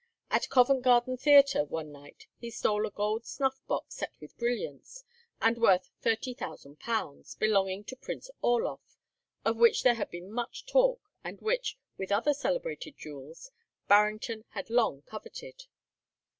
At Covent Garden Theatre one night he stole a gold snuff box set with brilliants, and worth £30,000, belonging to Prince Orloff, of which there had been much talk, and which, with other celebrated jewels, Barrington had long coveted.